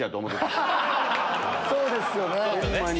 そうっすよね。